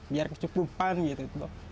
biar kesukupan gitu